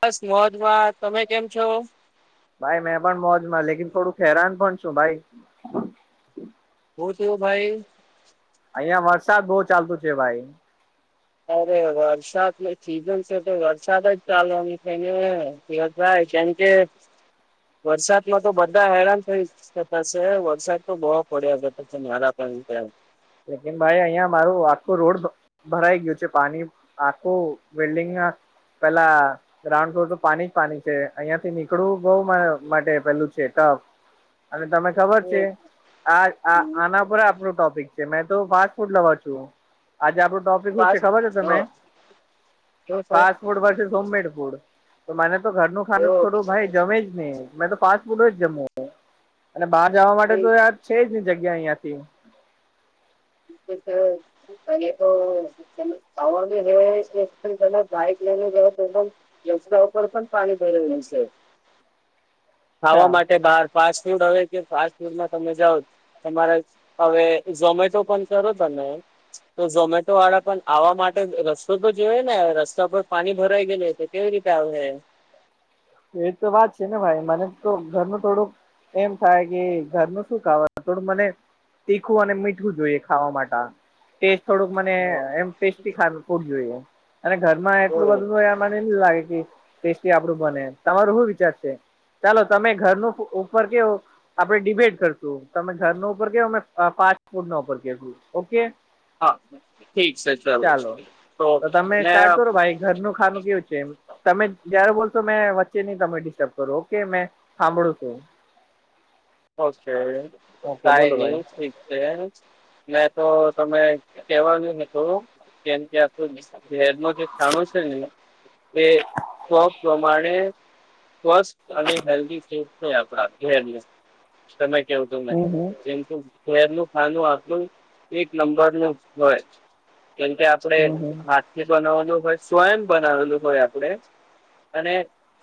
બસ મોજ મા તમે કેમ છો? ભાઈ મેં પણ મોજમાં લેકન થોડું હેરાન પણ છું ભાઈ હુ‌ થિયુ ભાઈ અહિયાં વરસાદ બહુ ચાલતુ છે ભાઈ અરે વરસાદ ને સીઝન છે તો વરસાદ જ ચાલવાની છેને ચિરાગભાઈ કેમ કે વરસાદમાં તો બધા હેરાન થયિશ સુરતમાં સે વરસાદ તો બહુ પડ્યાતા છે મારા પણ લેકિન ભાઈ અહિયાં મારું આખું રોડ ભરાઈ ગયું છે પાણી આખું બિલ્ડિંગ ના પેલા ગ્રાઉન્ડ ફ્લોર તો પાણી પાણી છે અહિયાં થી નીકળવું બઉુ અ માટે પેલું છે ટઅફ. અને તમે ખબર છે આ આ એ આના પર આપણું ટોપિક મેં તો ફાસ્ટ ફૂડ લવા છું આજે આપડો ટોપ ખબર પાસ છે તમે હા શું છે fast food versus homemade food તો મે તો ઘરનું ખાનું એવો થોડું ભાઈ જમે જ નહી મે તો ફાસ્ત ફૂડ જ જમું અને બહાર જવા માટે તો યાર છે જ જગ્યા અહીયાંથી હ [inaudible] મનેતો વાની હ [inaudible] બાઈક લેને ગયો તો એકદમ રસ્તા ઉપર પણ પાણી ભરેલું છે [unintelligible] ખાવા માટે બાર ફાસ્ટ ફૂડ હવે કે ફાસ્ટ ફૂડમાં તમે જાઓ તમારા હવે ઝોમેટો પણ સરસ બને તો ઝોમેટો વાળા પણ આવા માટે રસ્તો તો જોવે ને રસ્તા પર પાણી ભરાઈ ગઇલે કેવી રીતે આવહે એ તો વાત છે ને ભાઈ મને તો ઘરનું થોડુંક એમ થાય કે ઘરનું શું ખાવા થોડું મને તીખું અને મીઠવું જોઈએ ખાવા માટા ટેસ્ટ થોડુંક મને હા એમ ટેસ્ટી ખાવ ફુડ જોઈએ અને ઘરમાં એટલું ઓહ બધું એ મને એમ લાગે કે ટેસ્ટી આપડું બને તમારું શું વિચાર છે. ચાલો તમે ઘરનું ઉ ઉપર કેવુ આપડે ડિબેટ કરશું તમે ઘર નુ ઉપર કેવો અમે અ ફાસ્ટ ફૂડ નો ઉપર કેશુ ઓકે હા ઠીક છે ચાલો ચલો તો તમે સ્ટાર્ટ મેં કરો ભાઈ ઘરનું ખાનું કેવું છે એમ તમે જય્યારે બોલશો મેં વચ્ચે નહી તમે ડિસ્ટર્બ કરો ઓકે મેં સાંભળું છું. ઓકે ઓકે બોલો કાઇની ભાઈ થિક છે મે તો તમે કેવાનુ હતું. કેમ કે આપણું ઝેર ન જે ખાણુ છે ને. એ સ્ પ્રમાણે સ્વસ્થ અને હેલ્ધી ફૂડ નહી આપડા ઘેરને. સમય કેવ તુંમેને હમ હમ જેમ શેર નું ખાનું આપલું એક નંબર નું હોય કેમકે. આપડે હમ હાથથી બનાવેલું હોય સ્વયં બનાવેલું હોય આપડે અને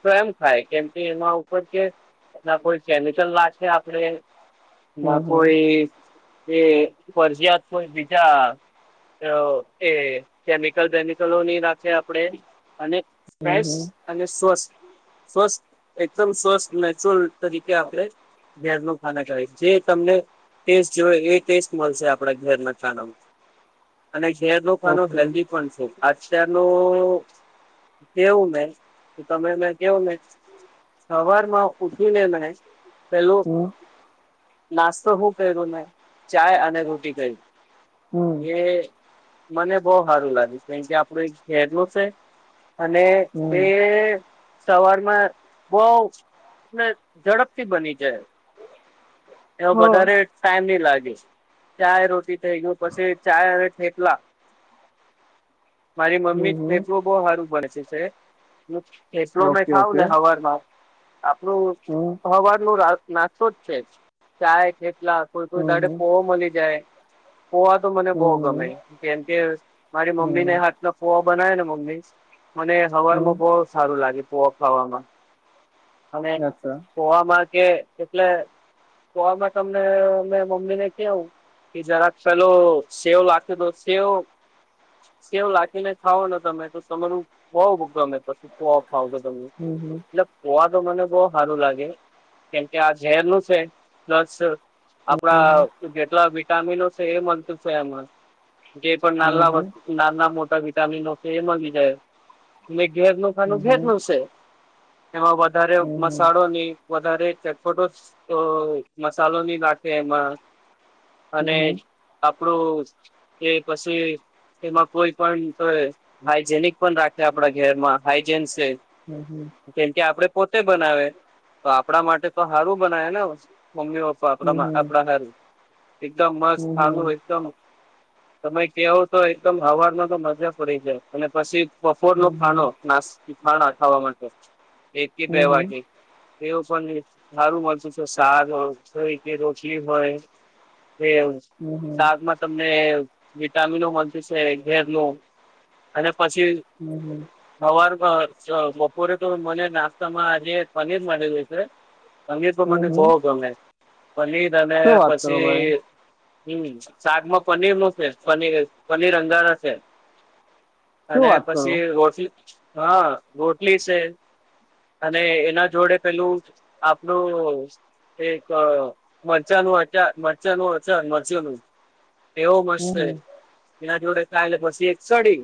સ્વયં થાય કેમ કે એના ઉપર કે ના કોઈ કેમિકલ લાચ આપડે બાપ હમ હમ એ એ ફરજીયાત કોઈ બીજા એ કેમિકલ બેેમિકલો ની રાખે આપડે અને હમ હમ ફઇસ હમ અને સોસ સ્વસ્થ એકદમ સ્વસ્થ નેચરલ તરીકે આપણે ઘેર ન ખાના ખવા જે તમને ટેસ્ટ જોવે એ ટેસ્ટ મળશે આપડા ઘેરના ખાનામાં [inaudible] અને ઘેર ન ખાનો ઓકે હેલ્ધી પણ છે અત્યારનો કેવું ને તો તમે મે કેવું ને સવાર ઉઠવીને ન પેલો હમ નાસ્તો હું કર્યો ન ચાય અને રોટી કર હમ એ મને બહુ સારું લાગ્યું કારમ કે આપડું એક ઘેરનું છે અને એ હમ સવારમાં બહને ઝડપથી બની છે. એ હા વધારે ટાઈમ નહી લાગે ચાય રોટી થઈ ગયો પછી ચાય હ થઠેટલા મારી મમ્મી હમ હમ ફેરવું બહુ સારું ભડ છે છે. એફ્લો મે ઓકે ખાવ ઓકે ને હવાર આપણું હમ હવાન ન નાસ્તો જ છે ચાય ખેટલા કોઈ કોઈ હમ દાડે હમ હમ પોહો મળી જાય પોવા તો મને બહુ ગમે જેમ કે મારી મમ્મી હમ નેા પોવા બનાય ને મમ્મી મને હમ સવારમાં બહ સારું લાગે પોવા ખાવામાં અને અચ્છા જોવામાં કે એટલે જોમાં તમને મેમે મમ્મી ને કવું કે જરાક પેલો સેવ લાગતો તો સેવ કેવ લખીને ખાવો ને તમે તો તમારું બવ ગમે પછી તો ફાવ કે તમને હમ હમ પોવા તો મને બહ સારું લાગે કેમકે આ ઝેર નું છે પ્લસ આપડા જેટલા વિટામિનો છે એ મળત છે આમાં જે પણ હમ નાના હમ વસ્તુ નાના મોટા વિટામિન છે એ માંગી જાય અને ઘેર ન નું હમ ભેદ હમ ન છે એમાં વધારે હમ હમ મસાળોની વધારે ચટપટો મસાલો ની નાખે એમાં હમ હમ અને હમ હમ આપડું એ પછી એમાં કોઈ પણ હાઈજેનિક પણ રાખે આપણા ઘેરમાં હાઈજેન છે. હમ હમ કેમ કે આપડે પોતે બનાવે તો આપણા માટે તો સારું બનાવે ને મમ્મી પપ્પા આપ આપણા હારું એકદમ મસ્ત હમ ખારનું એકદમ તમે કવો તો એકદમ હવામાં તો મજા પડી જાય અને પછી બપોર નો ખાનોો નાસ્ ખાના ખાવા માટે એક કે બે હમ વાગે એવું પણ સારું મળતું છે શક જોય કે રોટલી હોય કે હમ સાદમાં તમને વિટામિનો મળ છે ઘેરલું અને પછી હમ હમ હવાર બપોરે તો મને નાસ્તા માં આજે પનીર મળી ગય છે. પનીર તો મને હમ બહુ ગમે પનીર અને શું વાત કરો પછી ભાઈ હમ શાકમાં પનીર નું છે પનીર પનીર અંગારા છે શું અને વાત કરો? પછી રોટલી હા રોટલી છે. અને એના જોડે પેલું આપલું એક મરચાનું અ મરચાનું છે મરચીનું એવો મસ્ત હમ છે, હમ એના જોડે કાલે પછી એક સડી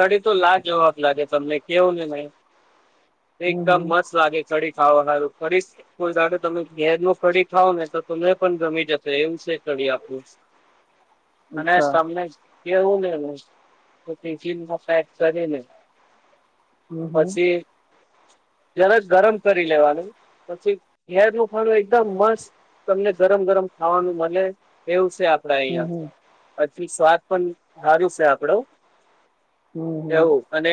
લડી તો લા જવાબ લાગે તમને કેવું ને મેં હમ એકદમ હમ મસ્ત લાગે ચડી ખાવો સારું ફરી ફૂલઝાડું તમે, ગેર ન કડી ખાવ ને તો તમને પણ ગમી જશે, એમ છે કડી આપણું અને અચ્છા. તમને કેવું ને ટિફિન મા પેક કરીને, હમ હમ પછી જરા ગરમ કરી લેવાનું પછી હેર નું હ એકદમ મસ્ત તમને ગરમ ગરમ ખાવાનું મળે એવું છે, આપડા હમ અહિયાં હમ પછી સ્વાદ પણ સારું છે, આપડું હમ હમ એવું અને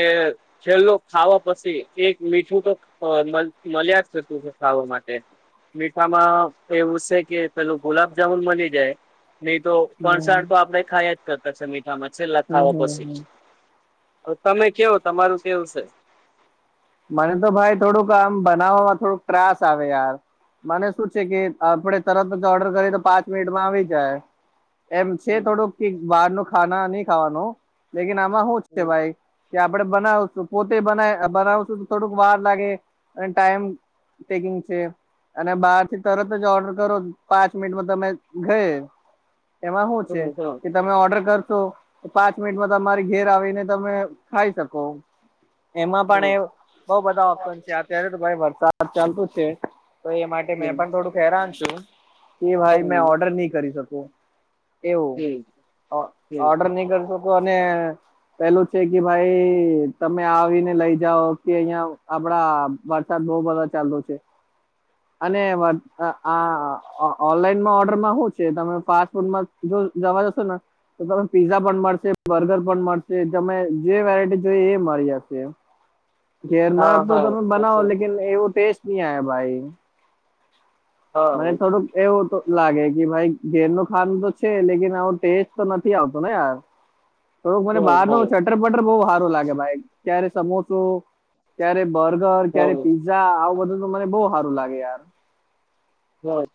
છેલ્લો ખાવા પછી એક મીઠું તો મળ્યા જ થતું છે, ખાવા માટે મીઠામાં એવું છે કે પેલું ગુલાબજામુન મળની જાય. નહી તો હમ ફણસાણ તો આપડે ખાયા જ કરતા છે, મીઠામાં છેલ્લા ખાો હમ હમ પછી. હમ તમે કેવો તમારું કેવ છે? મને તો ભાઈ થોડુંક આમ બનાવમાં થોડુંક ત્રાસ આવે યાર, મને શું છે કે આપડે તરત જ ઓર્ડર કરીએ, તો પાંચ મિનિટમાં આવી જાય. એમ છે હમ થોડુંક બહાર ન ખાના નહી, ખાવાનું લેકન આમાં શું છે હમ ભાઈ. કે આપડે બનાવશું પોતે બનાવશું, તો થોડુંક વાર લાગે અને ટાઈમ તેગીંગ છે. અને બહાર થી તરત જ ઓર્ડર કરો, પાંચ મિનિટમાં તમે ગય એમાં શું છે. હમ હમ તમે ઓર્ડર કરશો તો પાંચ મિનિટમાં તમારી ઘેર આવીને તમે ખાઈ શકો. એમાં પણ હમ એ બઉ બધા ઓપ્શન છે અત્યારે તો ભાઈ વરસાદ ચાલતુ છે, તો એ માટે હમ મેં પણ થોડુંક હેરાન છું, કે ભાઈ મેં હમ ઓર્ડર નહી કરી શકું એવું હમ હમ ઓર્ડર નહી કરશો, અને પેલું છે કે ભાઈ તમે આવીને લઈ જાઓ, કે અહિયાં આપડા વરસાદ બહ બધો ચાલતો છે, અને આ ઓનલાઈનમાં ઓર્ડરમાં હોવ છે, તમે ફાસ્ટ ફૂડમાં જો જવા જસ તો તમે પીઝા પણ મળશે બર્ગર પણ મળશે તમે જે વેરાયટી જોઈ એ મારી હશે. ગેરમા હા તો હા તમે બનાઓ લકન એવો ટેસ્ટ નહી, આયા ભાઈ મે હા હમ થોડુંક એવું તો લાગે કે ભાઈ ઘેર ન ખાડ તો છે, લેન આવો ટેસ્ટ તો નથી આવતો ને યાર થોડોક મને બહાર ન હમ ચટર પટર બહુ સારું લાગે ભાઈ ક્યારે સમોસો ત્યારે બર્ગર ક્યારે હમ પીઝઝા આવું બધું તો મને બહુ સારું લાગે યાર હ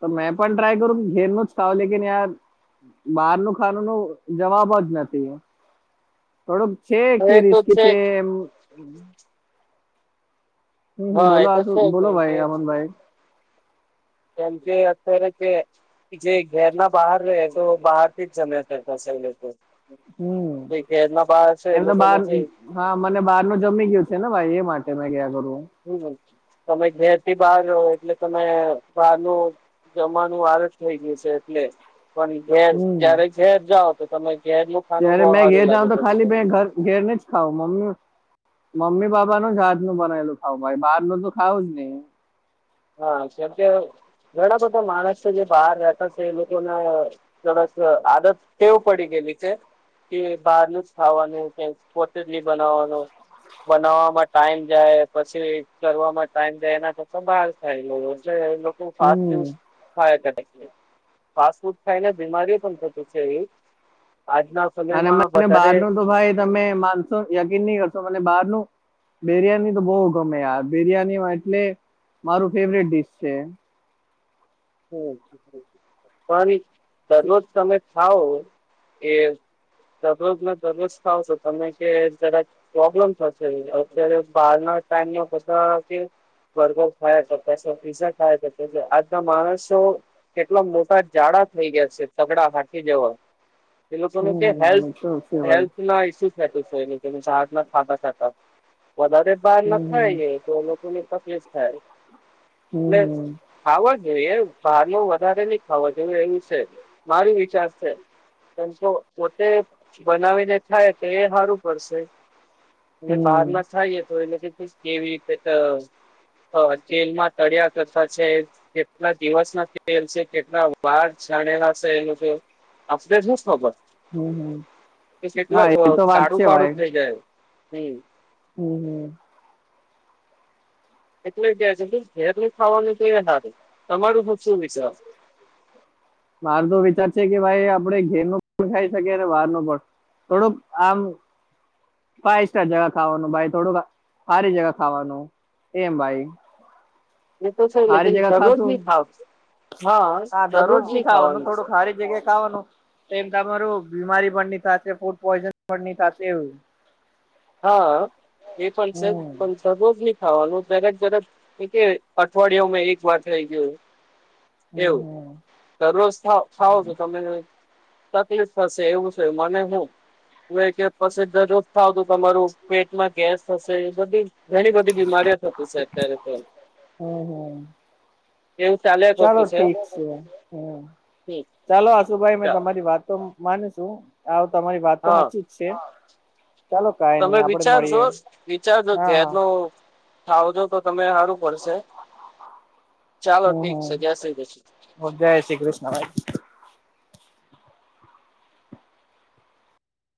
તો મેં પણ ટ્રાય કરું ઘેરનું જ ખાવા નુ લેકન બહાર ન ખાનું ન જવાબ જ નથી. થોડુંક છે કે એ તો રિસ્કી છે જ એમ, હમ્મ હમ્મ હા એ બોલો તો છે બોલો ભાઈ અમનભાઈ એમપે હત રપ જે ઘેરના બહાર રહે તો બહારથી જ જ્યા ત સૌ લોકો હમ જે ઘેરમાં બાર છે, એ એમને લોકોને બાર જે હા, મને બહાર નું જમી ગયું છે ને ભાઈ એ માટે મે ગયા કરું હમ્મ તમે જેથી બહાર રહો એટલે તમે બારનું જમાવાનું વાર જ થઈ ગયું છે, એટલે પણ ઘેર હમ જયારે ઘેર જાઓ તો તમે ઘેરનુ ખાવું ત્યારે બો મેં હારી લાગે પછી તમને. ઘેર ને જ ખાવ મમ્મી મમ્મી પાપા નું જ હાથ નું બનાયલું ખાવ ભાઈ બારનુ તો ખાવું જ ની. હા કેમ કે ઘણા બધા માણસો જે બહાર રહેતા છે, એ લોકોના ત આદત ટેવ પડી ગેલી કે કે બહાર નું જ ખાવાનું કે [unintelligible] બનાવવાનું. બનાવવામાં ટાઈમ જાય પછી કરવામાં ટાઈમ જાય એના કરતાં બાર હમ [unintelligible] ફાસ્ટ ફૂડ ખાયને બીમારી પણ થતી છે એ. આજના અને સમયમાં મને બહાર વધારે નું તો ભાઈ તમે માનશો યકીન ની કરશો મને બરનું બિરિયાની તો બોઉ ગમે યાર બિરિયાનીમાં એટલે મારું ફેવરેટ ડીશ છે. હમ પણ દરરોજ તમે ખાવ એ દરરોજના દરરોજ ખાવ છો તમે કે જરાક પ્રોબ્લેમ થશે અત્યારે બહાર ના ટાઈમ બધા કે બર્ગર ખાયા છો પછી પિઝા ખાય તો એટલે આજના માણસ સૌ એટલા મોટા જાડા થઈ ગયા છે તગડા હાથી જેવા એ લોકો ને કે હમ એ હેલ્થ તો છે ભાઈ હેલ્થ ના ઇસ્યુ [unintelligible] વધારે બહાર ના હમ ખાય એ તો એ લોકોને તકલીફ થાય, હમ એટલે. બાર નું વધારે નહીં ખાવા જોએ એવું છે. મારે વિચાર છે. એમ જો પોતે બનાવીને થાય તો એ હારું પડશે. હમ એટલે બહારના હમ થાયએ તો એટલે કેવી રીતે ત તેલમાં તળિયા કરતા છે. કેટલા દિવસ ના તેલ છે કેટલા વાર છણેલા છે. એનું આપણે શું ખબર હમ હા એ તો [unintelligible] વાત સારું છે સારું ભાઈ થઈ જાય. હમ હમ હમ. એટલે કે છે ઘેર નું ખાવાનું તો સારું તમારું શું વિશ્વાસ મારું તો વિચાર છે કે ભાઈ આપડે ઘેર નુ પણ ખાઈ શકીએ બાર નું પણ થોડુંક આમ ફાઈવ સ્ટાર જગા ખાવાનું ભાઈ થોડુંક સારી જગા ખાવાનું એમ ભાઈ. એ તો છે હારી લેકન જગ્યા દરરોજ ખાશું નહી ખાવ હા દરરોજ ની ખાવાનું થોડું હારી જગ્યા ખાવાનું તો એમ તમારું બીમારી પણ ની થશે ફૂડ પોઈઝન પણ ની થશે એવું હા એ પણ છે. હમ પણ દરરોજ ની ખાવાનું [unintelligible] કે અઠવાડિયામાંં એક વાર થઇ ગયો. એવું હમ હમ દરરોજ ખાવ ખાવ તો તમે તકલીફ થશે એવું છે. મને હું હું કે પછી દરરોજ ખાવું તમારું પેટમાં ગેસ થશે બધી ઘણી બધી બીમારીઓ થતી છે અત્યારે. હમ હમ એવું ચાલે ચાલો ઠીક છે. હ હમ ચાલો આશુભાઈ મે ચાલ તમારી વાતો માને છું. આવ તમારી વાત તો હા હાચી જ છે. ચાલો કાઈ તમે નઈ આપડે વિચારજો મળીએ વિચારજો હા ઘેર હા નું થાવજો તો તમે હારું પડશે. ચાલો હમ ઠીક છે જય હમ શ્રી કૃષ્ણ. જય શ્રી કૃષ્ણ ભાઈ.